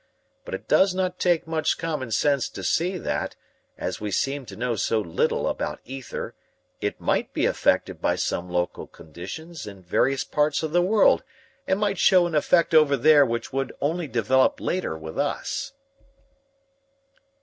But it does not take much common sense to see that, as we seem to know so little about ether, it might be affected by some local conditions in various parts of the world and might show an effect over there which would only develop later with us."